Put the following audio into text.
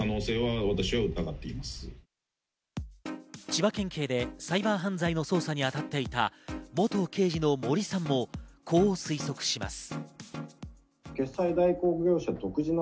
千葉県警でサイバー犯罪の捜査に当たっていた元刑事の森さんもこう推測します。